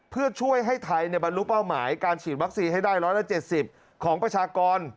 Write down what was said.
เพื่อช่วยให้ไทยบรรลุเป้าหมายการฉีดวัคซีนให้ได้๑๗๐ของประชากร